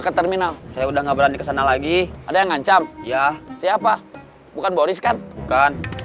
ke terminal saya udah nggak berani kesana lagi ada yang ngancam ya siapa bukan boris kan bukan